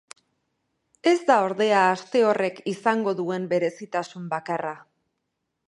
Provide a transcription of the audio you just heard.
Ez da ordea aste horrek izango duen berezitasun bakarra.